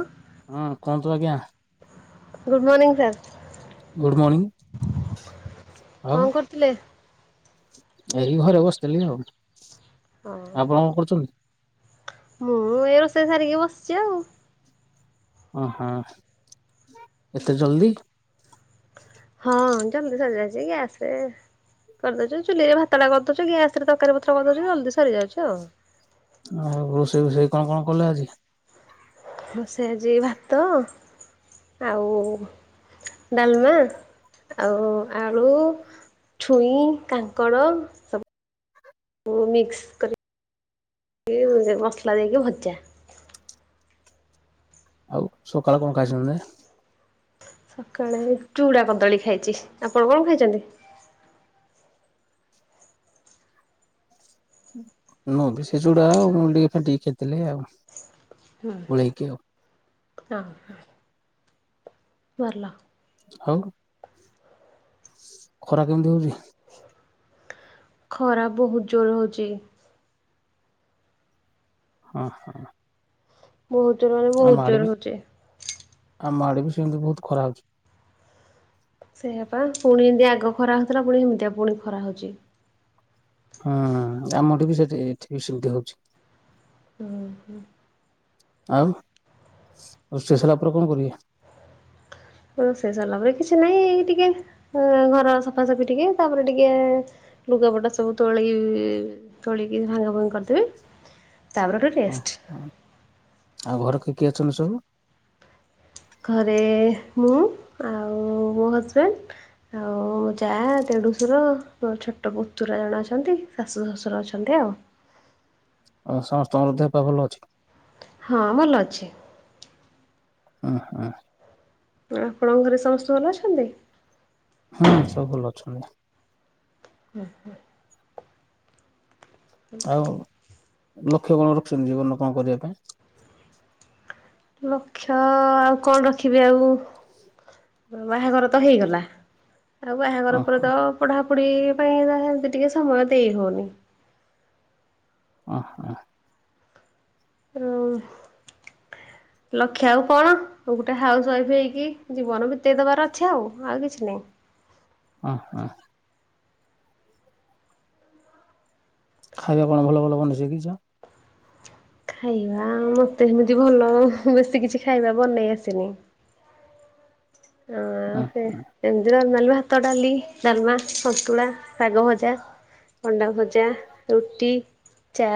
ଓ। ହଁ କହନ୍ତୁ ଆଜ୍ଞା। ଗୁଡ୍ ମଣିଂ ସାର୍। ଗୁଡ଼୍ ମର୍ଣ୍ଣି ଆଉ କଣ କରୁଥିଲେ? ଏହି ଘରେ ବସିଥିଲି ଆଉ ହଁ ଆପଣ କଣ କରୁଚନ୍ତି? ମୁଁ ଏଇ ରୋଷେଇ ସାରିକି ବସିଛି ଆଉ। ଅ ହଁ ଏତେ ଜଲ୍ ଦି ହଁ ଜଲ୍ ଦି ସରିଯାଇଛି ଗ୍ୟାସ୍ ରେ କରିଦଉଚୁ ଚୁଲିରେ ଭାତଟା କରିଦଉଚୁ ଗ୍ୟାସ୍ ରେ ତକାରି ପତ୍ର କରିଦଉଚୁ ଜଲ୍ ଦି ସରିଯାଉଛି ଆଉ। ଆଉ ରୋଷେଇ ବୋଷେଇ କଣ କଣ କଲ ଆଜି? ରୋଷେଇ ଆଜି ଭାତ ଆଉ ଡାଲ୍ ମା ଆଉ ଆଳୁ ଛୁଇଁ କାଙ୍କଡ଼ ସବୁ ବୁ ମିକ୍ସ କରିକି ମସଲା ଦେଇକି ଭଜା। ଆଉ ସକାଳେ କଣ ଖାଇବନ୍ତି? ସକାଳେ ଚୁଡ଼ା କଦଳୀ ଖାଇଛି ଆପଣ କଣ ଖାଇଛନ୍ତି? ମୁଁ ବି ସେ ଚୁଡା ଆଉ ମୁଡ଼ିକି ଫେଣ୍ଟିକି ଖାଇଥିଲି ଆଉ ହୁଁ। ଗୋଳେଇକି ଉ। ହଁ [unintelligible] ଭଲ। ଆଉ ଖରା କେମିତି ହଉଚି? ଖରା ବହୁତ୍ ଜୋର ହଉଚି। ହଁ ହଁ। ବହୁତ୍ ଜୋର ମାନେ ବହୁତ୍ ବି ଜୋର ହଉଚି। ଆମ ଆଡେ ବି ସେମିତି ବହୁତ୍ ଖରା ହଉଚି। ସେଇଆାପା ପୁଣି ଏମ୍ ଦୀ ଆଗ ଖରା ହଉଥିଲା ପୁଣି ଏମିତିଆ ପୁଣି ଖରା ହଉଚି। ହଁ ଆମଠୁ ବି ସେଠି ଏଠି ବି ସେମିତି ହଉଚି। ହୁଁ ହୁଁ। ଆଉ ରୋଷେଇ ସାଇଲା ପରେ କଣ କରିବେ? ରୋଷେଇ ସାରିଲା ପରେ କିଛି ନାଇଁ ଏଇ ଟିକେ ଅ ଘର ସଫାସଫି ଟିକେ ତାପରେ ଟିକେ ଲୁଗାପଟା ସବୁ ତୋଳି ତୋଳିକି ଭାଙ୍ଗା ଭଙ୍ଗି କରିଦେବି ତାପରେ ଗୋଟେ ଓ ରେଷ୍ଟ ହ ଆଉ ଘରେ କିଏ କିଏ ଅଛନ୍ତି ସବୁ? ଘରେ ମୁଁ ଆଉ ମୋ ହଜ୍ ବେଣ୍ଡ୍ ଆଉ ଯା ଡେ଼ଡୁସୁର ଛୋଟ ପୁତୁରା ଜଣେ ଅଛନ୍ତି ଶାଶୁ ଶଶୁର ଅଛନ୍ତି ଆଉ। ଆଉ ସମସ୍ତଙ୍କର ଦେହ ପା ଭଲ ଅଛି? ହଁ ଭଲ ଅଛି। ଆ ହାଁ। ଆପଣଙ୍କ ଘରେ ସମସ୍ତେ ଭଲ ଅଛନ୍ତି? ହୁଁ ସବୁ ଭଲ ଅଛନ୍ତି। ହୁଁ ହୁଁ। ଆଉ ଲକ୍ଷ୍ୟ କଣ ରଖିଛନ୍ତି ଜୀବନରେ କଣ କରିଆ ପାଇଁ? ଲକ୍ଷ୍ୟ ଆଉ କଣ ରଖିବି ଆଉ ବାହାଘର ତ ହେଇଗଲା ଆଉ ବାହାଘର ପରେ ଓହୋ ତ ପଢାପଢି ପାଇଁ ଯାହା ଏନ୍ତି ଟିକେ ସମୟ ଦେଇ ହଉନି ଓ ହଁ। ରଉ [unintelligible] ଲକ୍ଷ୍ୟ ଆଉ କଣ ଗୋଟେ ହାଉସ୍ ୱାଇଫ୍ ହେଇକି ଜୀବନ ବିତେଇ ଦବାର ଅଛି ଆଉ ଆଉ କିଛି ନାଇଁ। ଅ ହଁ। ଖାଇବା କଣ ଭଲ ଭଲ ବନେଇ ଶକିିଛ? ଖାଇବା ମତେ ସେମିତି ଭଲ ବେଶୀ କିଛି ଖାଇବା ବନେଇ ଆସିନି। ଅଁ ସେ ଏମତି ନର୍ମାଲ ଭାତ, ଡାଲି, ଡାଲମା, ସନ୍ତୁଳା, ଶାଗ ଭଜା। ଅଣ୍ଡା ଭଜା ରୁଟି ଚା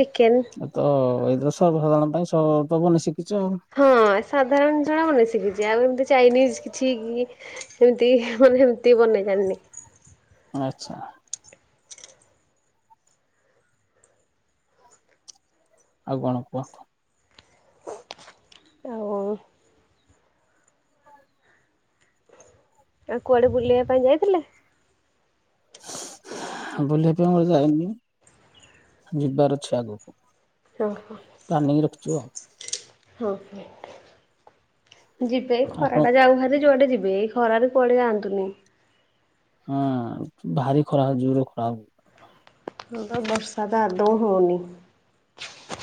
ଚିକେନ। ତ ଏଇଥର ସର୍ବସାଧାରଣ ପାଇଁ ସ ତ ବନେ ଶିକିଚ ଆଉ। ହଁ ସାଧାରଣ ଜିନ୍ଷଟା ବନେଇ ଶିକିଚି ଆଉ ଏମିତି ଚାଇନିଜ୍ କିଛି ଘି ଏମିତି ମାନେ ଏମତି ବନେଇ ଜାଣିନି। ଆଚ୍ଛା। ଆଉ କଣ କୁହନ୍ତୁ। ଆଉ କଲ୍ ଆଉ କୁଆଡ଼େ ବୁଲିବା ପାଇଁ ଯାଇଥିଲେ? ବୁଲିତେ ମୁଁ ଯାଇନି ଯିବାର ଅଛି ଆଗୁକୁ। ଅହଁ। ପ୍ଲାନିଂ ରଖିଚୁ ଆଉ। ହଁ ହୋ ଯିବେ ଏଇ ଆପଣ ଖରାଟା ଯାଉ ଭାରି ଯୁଆଡ଼େ ଯିବେ। ଖରାରେ କୁଆଡ଼େ ଯାଆନ୍ତୁନି। ହଁ ଭାରି ଖରା ଜୋରେ ଖରା ହୁ ହଁ ପା ବର୍ଷା ତ ଅଦୌ ହୋଉନି।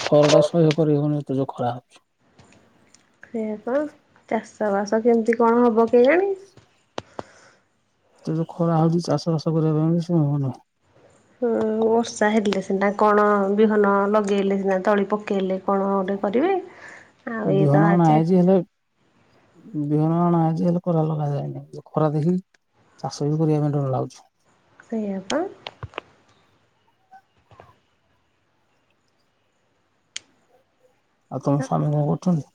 ଖରାଟା ସହ୍ୟ କରି ହବନି ଏତେ ଯୋଉ ଖରା ହଉଚି। ସେୟା ପା ଚାଷ ବାସ କେମତି କଣ ହବ କେଇଆଣି। ତେ ଯେ ଖରା ହଉଚି ଚାଷ ବାଷ କରିବା ପାଇଁ ସେ ହଉନି। ହୁଁ ବର୍ଷା ହେଲେ ସିନା କଣ ବିହନ ଲଗେଇଲେ ସିନା ତଳି ପକେଇଲେ କଣ ଅଟେ କରିବେ ଆଉ ଏ ବିହନ ତ ଆ ଅଣା ଯାଏଁ ହେଇଛି ହେଲେ ବିହନ ଆଣା ହେଇଚି ହେଲେ କରା ଲଗା ଯାଇନି ଯୋଉ ଖରା ଦେଖି ଚାଷ ବି କରିବା ପାଇଁ ଡର ଲାଗୁଚି। ସେଇଆ ପା। ଆଉ ତମ ସ୍ୱାମୀ କଁ କରୁଚନ୍ତି?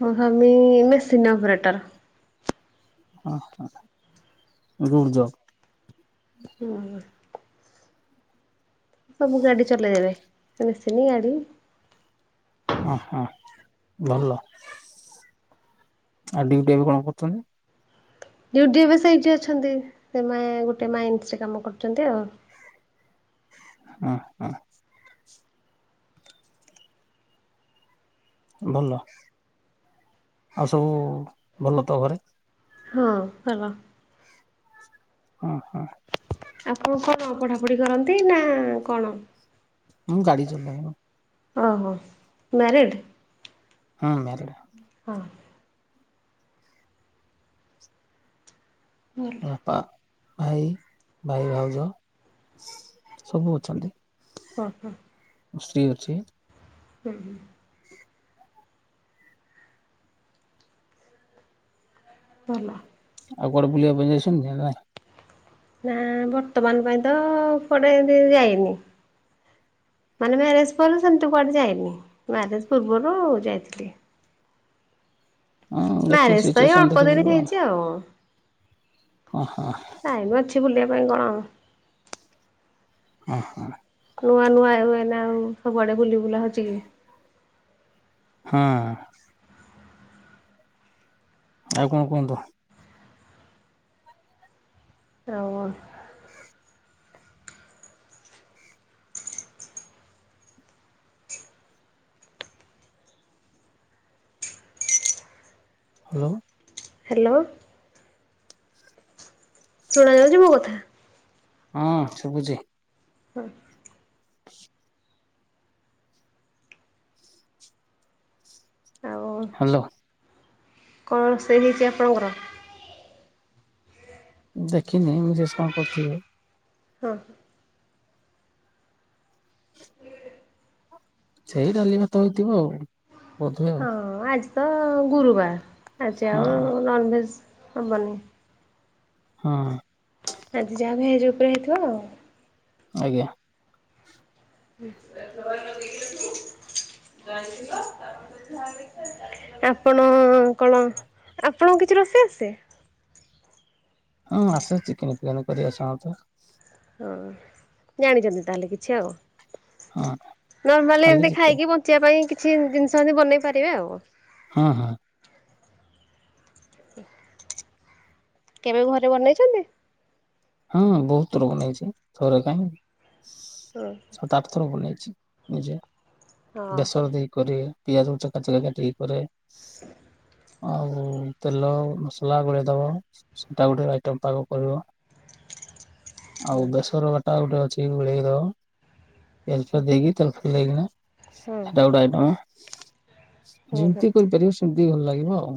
ମୋ ସ୍ବାମୀ ମେସିନ୍ ଅପରେଟର୍। ଓହ ଗୁଡ୍ ଜବ୍। ହୁଁ। ସବୁ ଗାଡ଼ି ଚଲେଇଦେବେ ଏ ମେସିନି ଗାଡ଼ି। ଅଁ ହଁ ଭଲ ଆ ଡିଉଟି ଏବେ କଣ କରୁଚନ୍ତି? ଡିଉଟି ଏବେ ସେଇଠି ଅଛନ୍ତି ସେମାଁ ଗୋଟେ ମାଇନ୍ସରେ କାମ କରୁଚନ୍ତି ଆଉ। କଁ ହଁ। ଭଲ ଆଉ ସବୁ ଭଲ ତ ଘରେ? ହଁ ଭଲ। ଅଁ ହଁ। ଆପଣ କଣ ପଢ଼ାପଢି଼ କରନ୍ତି ନାଁ କଣ? ମୁଁ ଗାଡ଼ି ଚଲାୟ। ଓହୋ ମ୍ୟାରେଡ଼୍? ହୁଁ ମ୍ୟାରେଡେ। ହଁ। ଭଲ ମୋ ବାପା, ଭାଇ, ଭାଇ, ଭାଉଜ ସବୁ ଅଛନ୍ତି। ଓହୋ। ମୋ ସ୍ତ୍ରୀ ଅଛି। ହୁଁ ହୁ। ଭଲ। ଆଉ କୁଆଡେ଼ ବୁଲିବା ପାଇଁ ଯାଇଛନ୍ତିି ଜାଗା? ନା ବର୍ତ୍ତମାନ୍ ପାଇଁ ତ କୁଆଡ଼େ ଏମିତି ଯାଇନି ମାନେ ମ୍ୟାରେଜ୍ ପରେ ସେମିତି କୁଆଡ଼େ ଯାଇନି ମ୍ୟାରେଜ୍ ପୂର୍ବରୁ ଯାଇଥିଲି। ହଁ ଦେଖିକି ମ୍ୟାରେଜ ତ ଏଇ ସିଟୁଏସନ୍ ଅଳ୍ପ ଦେଖି ଦିନ ଯିବ ହେଇଛି ଆଉ। ଆ ହ ହ। ଟାଇମ୍ ଅଛି ବୁଲିବା ପାଇଁ କଣ? ଅଁ ହ। ନୂଆ ନୂଆ ଏବେନା ଆଉ ସବୁଆଡ଼େ ବୁଲି ବୁଲା ହଉଛି କି? ହଁ। ଆଉ କଣ କୁହନ୍ତୁ? [unintelligible] ହାଲୋ। ହାଲୋ। ଶୁଣା ଯାଉଚି ମୋ କଥା। ହଁ ଶୁଭୁଚି। ହଁ। ଆଉ ହାଲୋ। କଣ ରୋଷେଇ ହେଇଚି ଆପଣଙ୍କର? ଦେଖିନି ମୁଁ ମିସେସ କଣ କରିଥିବେ। ହଁ। ସେଇ ଡାଲି ଭାତ ହେଇଥିବ ଆଉ ବୋଧେ ଆଉ। ହଁ ଆଜି ତ ଗୁରୁବାର ଆଜି ହଁ ଆଉ ନନ୍ଭେଜ୍ ହବନି। ହଁ। ଆଜି ଯାହା ଭେଜ ଉପରେ ହେଇଥିବ ଆଉ। ଆଜ୍ଞା। ଲଗେଇ ଯାଇ ତା ଯ [inaudible] ଆପଣ କଣ ଆପଣଙ୍କୁ କିଛି ରୋଷେଇ ଆସେ? ହଁ ଆସେ ଚିକେନ ଫିକେନେ କରି ଆସେ ମତେ। ହଁ ଜାଣିଛନ୍ତି ତାହେଲେ କିଛି ଆଉ ହଁ ନର୍ମାଲି ଖାଲି ଏମିତି ଚିକେନ ଖାଇକି ବଞ୍ଚ ବଞ୍ଚି ପାଇଁ କିଛି ଜିନିଷ ଏମିତି ବନେଇ ପାରିବେ ଆଉ। ହଁ ହଁ। କେବେ ଘରେ ବନେଇଛନ୍ତି? ହଁ ବହୁତ ଥର ବନେଇଛି ଥରେ କାଇଁ। ହଁ। ସାତ ଆଠ ଥର ବନେଇଚି ନିଜେ ହଁ ବେସର ଦେଇ କରେ ପିଆଜ ଚେକା ଚେକା କାଟିକି କରେ। ଆଉ ତେଲ ମସଲା ଗୁଳେଇଦବ ସେଇଟା ଗୋଟେ ଆଇଟମ ପାଗ କରିବ। ଆଉ ବେଶର ବାଟା ଗୋଟେ ଅଛି ଗୁଳେଇ ଦବ। ଏଲ ଫେ ଦେଇକି ତେଲ ଫେ ଦେଇକିନା ହଁ ସେଟା ଗୋଟେ ଆଇଟମ। ହଁ ହଁ ଯେମତି କରିପାରିବ ସେମିତି ଭଲ ଲାଗିବ ଆଉ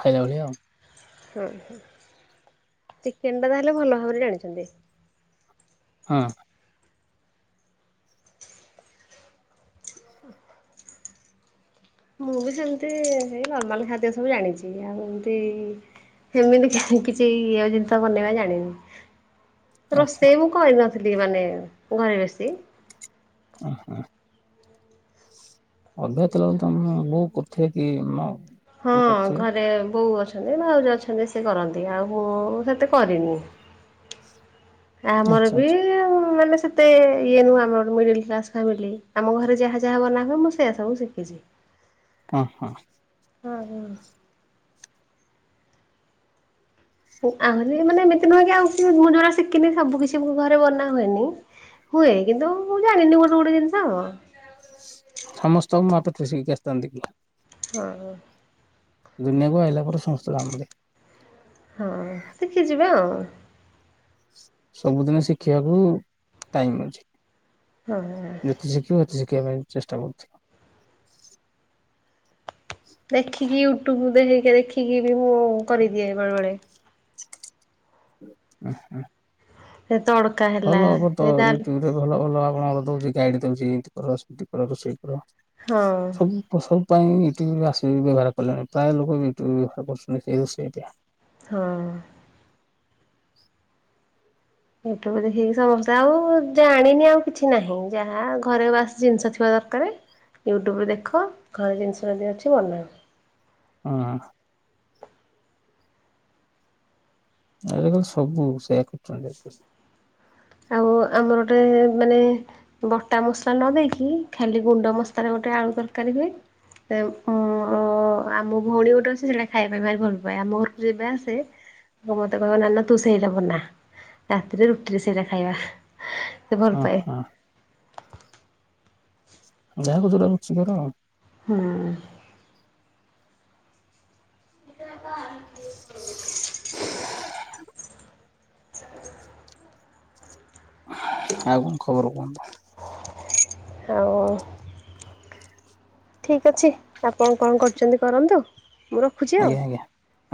ଖାଇଲା ଭଳିଆ ଆଉ। ହୁଁ ଚିକେନ ଟା ତାହେଲେ ଭଲ ଭାବରେ ଜାଣିଚନ୍ତି। ହଁ। ମୁଁ ବି ସେମିତି ସେଇ ନର୍ମାଲ ଖାଦ୍ୟ ସବୁ ଜାଣିଚି। ଆଉ ଏମତି କେମିତି କାହିଁ କିଛି ଇଅ ଜିନିଷ ବନେଇବା ଜାଣିନି। ଆଚ୍ଛା ରୋଷେଇ ମୁଁ କରିନଥିଲି ମାନେ ଘରେ ବେଶୀ। ଆ ହାଁ। ଅଭ୍ୟାତ ତିଲ ତମେ ବୋଉ କରୁଥାଏ କି? ହଁ ଇଏ କରୁଥିବେ ଘରେ ବୋଉ ଅଛ ଅଛନ୍ତି ଭାଉଜ ଅଛନ୍ତି ସିଏ କରନ୍ତି ଆଉ ମୁଁ ସେତେ କରିନି। ଆମର ଆଚ୍ଛା ବି ଆଚ୍ଛା ମାନେ ସେ ତେ ଇଏ ନୁହଁ ଆମରୋ ମିଡଲ କ୍ଲାସ ଫାମିଲି ଆମ ଘରେ ଯାହା ଯାହା ବନା ହୁଏ ମୁଁ ସେୟା ସବୁ ଶିଖିଚି। ଅ ହଁ। ହଁ ହଁ। ଆହୁରି ମାନେ ଏମିତି ନୁହେଁ କି ଆଉ ମୁଁ ଯୋଉରା ଶିକିନି ସବୁ କିିଛି ଘରେ ବନା ହୁଏନି। ହୁଏ କିନ୍ତୁ ମୁଁ ଜାଣିନିବୋହୁତ ଗୁଡ଼େ ଜିନିଷ। ସମସ୍ତଙ୍କୁ ମତ ପାଥରେ ଶିକିକି ଆସତାନ୍ତି। ହଁ ହୋଉ। ଦୁନିଆକୁ ଆଇଲା ପରେ ସମସ୍ତେ ଜାଣନ୍ତି। ହଁ ଶିଖିଯିବେ ଆଉ। ସବୁଦିନ ଶିଖିବାକୁ ଟାଇମ ଅଛି। ହଁ। ଯେତେ ଶିଖିବ ସେତେ ଶି କିବା ପାଇଁଁ ଚେଷ୍ଟା କରୁଚି। ଦେଖିକି ୟୁଟ୍ୟୁବ ଦେ ଦେଖିକି ବି ମୁଁ କରିଦିଏ ବେଳେ ବେଳେ। ଆ ହାଁ। ସେ ତଡ଼କା ହେଲା ଏଇତାଲ ଏ ଭଲ ଭଲ ଆପଣଙ୍କର ଦୋଉଚି ଗାଇଡି ଦୋଉଚି ଏମତି ରୋଷେଇ କର ହଁ ସବୁ। ଫସବ ପାଇଁ ୟୁଟ୍ୟୁବ ଆସିକି ବ୍ୟବହାର କଲେଣି ପ୍ରାୟ ଲୋକ ୟୁଟ୍ୟୁବ ବ୍ୟବହାର କରୁଛନ୍ତି ସେଇ ରୋଷେଇଟା। ହଁ। ୟୁଟ୍ୟୁବ ଦେଖିକି ସମସ୍ତେ ଆଉ ଜାଣିନି ଆଉ କିଛି ନାହିଁ ଯାହା ଘରେ ବାସ୍ ଜିନିଷ ଥିବା ଦରକାରେ। ୟୁଟ୍ୟୁବ୍ ଦେଖ ଘରେ ଜିନିଷ ଯଦି ଅଛି ବନାଅ। ହଁ ଆଜି କାଲି ସବୁ ସେୟା କରୁଚନ୍ତି। ଆଉ ଆମର ଗୋଟେ ମାନେ ବଟା ମସଲା ନଦେଇକି ଖାଲି ଗୁଣ୍ଡ ମସଲାରେ ଗୋଟେ ଆଳୁ ତରକାରୀ ହୁଏ। ସେୟାମ ଅଁ ଆମ ଭଉଣୀ ଗୋଟେ ଅଛି ସେଟା ଖାଇବା ଭାରି ଭଲ ପାଏ। ଆମ ଘରକୁ ଯବେ ଆସେ ମତେ କହିବ ନା ନା ତୁ ସେଇଟା ବନା ରାତିରେ ରୁଟିରେ ସେଇଟା ଖାଇବା। ସେ ଭଲ ଅ ପାଏ ହଁ ଯାହାକୁ ଯୋଉଟା ରୁଚି କର। ହୁଁ। [inaudible] ଆଉ ଖବର କଣ କୁହନ୍ତୁ? ଆଉ ଠିକ୍ ଅଛି ଆପଣ କଣ କରୁଚନ୍ତି କରନ୍ତୁ। ମୁଁ ରଖୁଛି ଆଉ। ଆଜ୍ଞା ଆଜ୍ଞା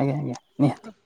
ଆଜ୍ଞା ଆଜ୍ଞା ନିହାତି।